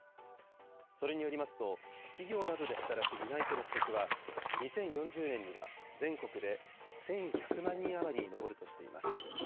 それによりますと、企業などで働く担い手の不足は、２０４０年には全国で１１００万人余りに上るとしています。